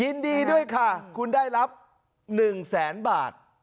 ยินดีด้วยค่ะคุณได้รับ๑แสนบาท